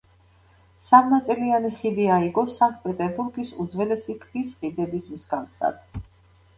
სამნაწილიანი ხიდი აიგო სანქტ-პეტერბურგის უძველესი ქვის ხიდების მსგავსად.